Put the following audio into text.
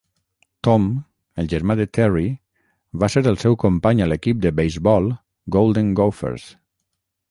Tom, el germà de Terry, va ser el seu company a l'equip de beisbol Golden Gophers.